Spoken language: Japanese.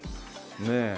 ねえ。